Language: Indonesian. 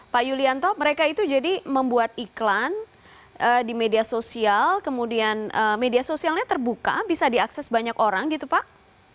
pak yulianto mereka itu jadi membuat iklan di media sosial kemudian media sosialnya terbuka bisa diakses banyak orang gitu pak